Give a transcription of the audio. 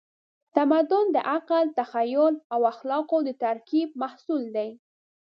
تمدن د عقل، تخیل او اخلاقو د ترکیب محصول دی.